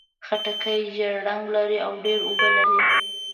خټکی ژېړ رنګ لري او ډېر اوبه لري.